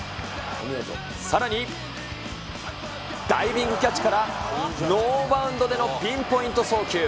さらにダイビングキャッチから、ノーバウンドでのピンポイント送球。